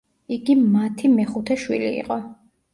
იგი მათი მეხუთე შვილი იყო.